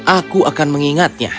aku akan mengingatnya